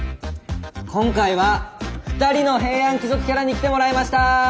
今回は２人の平安貴族キャラに来てもらいました。